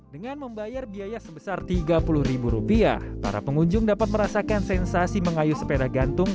dengan membayar biaya sebesar rp tiga puluh para pengunjung dapat merasakan sensasi mengayu sepeda gantung